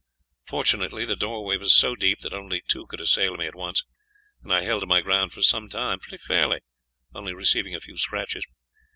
Fortunately the doorway was so deep that only two could assail me at once, and I held my ground for some time pretty fairly, only receiving a few scratches.